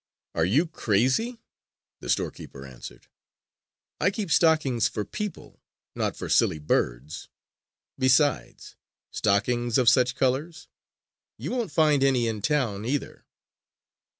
"Are you crazy?" the storekeeper answered. "I keep stockings for people, not for silly birds. Besides, stockings of such colors! You won't find any in town, either!"